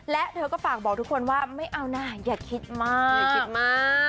และเธอก็ฝากบอกทุกคนว่าไม่เอาหน่าอย่าคิดมาก